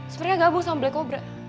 sebenarnya gabung sama black cobra